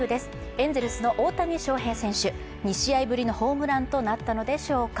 エンゼルスの大谷翔平選手２試合ぶりのホームランとなったのでしょうか。